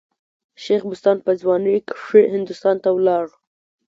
شېخ بستان په ځوانۍ کښي هندوستان ته ولاړ.